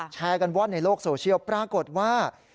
แชร์กันว่อนในโลกโซเชียลปรากฏว่า